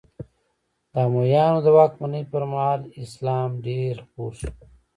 د امویانو د واکمنۍ پر مهال اسلام ډېر خپور شو.